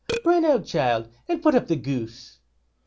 Run out, child, and put up the goose."